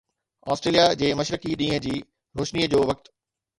Australia جي مشرقي ڏينهن جي روشني جو وقت